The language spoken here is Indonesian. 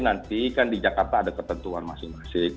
nanti kan di jakarta ada ketentuan masing masing